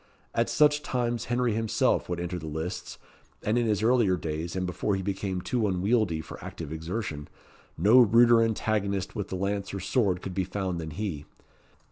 At such times Henry himself would enter the lists; and, in his earlier days, and before he became too unwieldy for active exertion, no ruder antagonist with the lance or sword could be found than he.